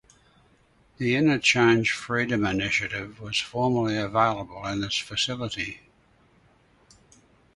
The InnerChange Freedom Initiative was formerly available in this facility.